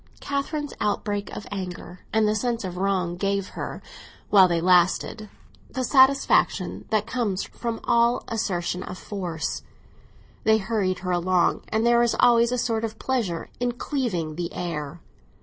Catherine's outbreak of anger and the sense of wrong gave her, while they lasted, the satisfaction that comes from all assertion of force; they hurried her along, and there is always a sort of pleasure in cleaving the air.